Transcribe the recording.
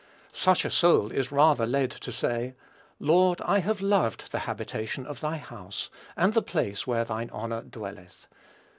Such a soul is rather led to say, "Lord, I have loved the habitation of thy house, and the place where thine honor dwelleth."